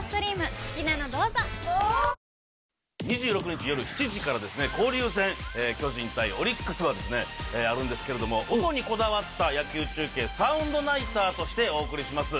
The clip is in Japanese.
２６日夜７時からですね、交流戦、巨人対オリックスがあるんですけれども、音にこだわった野球中継、サウンドナイターとして、お送りします。